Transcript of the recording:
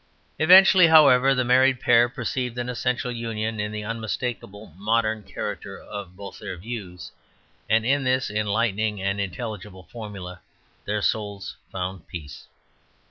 Eventually, however, the married pair perceived an essential union in the unmistakably modern character of both their views, and in this enlightening and intelligible formula their souls found peace.